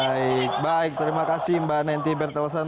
baik baik terima kasih mba nanti bertelsen